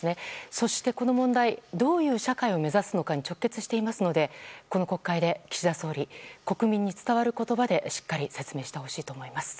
そして、この問題どういう社会を目指すかに直結していますのでこの国会で岸田総理は国民に伝わる言葉でしっかり説明してほしいと思います。